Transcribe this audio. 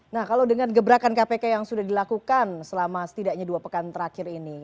nah kalau dengan gebrakan kpk yang sudah dilakukan selama setidaknya dua pekan terakhir ini